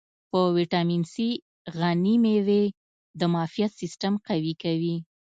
په ویټامین C غني مېوې د معافیت سیستم قوي کوي.